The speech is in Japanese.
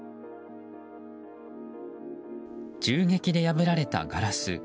銃撃で破られたガラス。